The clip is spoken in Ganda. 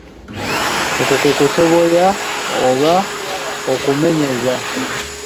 Okwo kwe kusoboya oba okumenyeza.